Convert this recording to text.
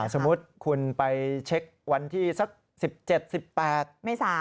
สมมุติคุณไปเช็ควันที่สัก๑๗๑๘เมษา